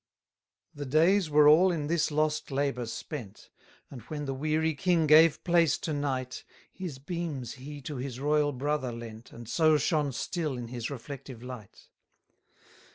253 The days were all in this lost labour spent; And when the weary king gave place to night, His beams he to his royal brother lent, And so shone still in his reflective light.